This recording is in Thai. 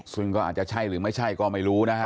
ซึ่งก็อาจจะใช่หรือไม่ใช่ก็ไม่รู้นะฮะ